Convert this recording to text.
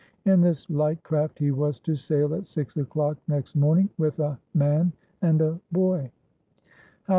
In this light craft he was to sail at six o'clock next morning with a man and a boy.